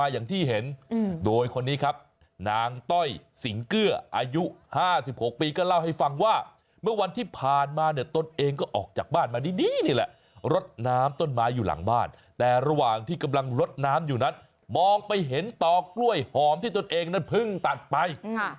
อยู่หลังบ้านแต่ระหว่างที่กำลังรดน้ำอยู่นั้นมองไปเห็นต่อกล้วยหอมที่ตนเองนั้นพึ่งตัดไป